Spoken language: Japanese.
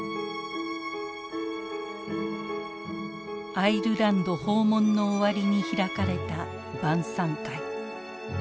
アイルランド訪問の終わりに開かれた晩餐会。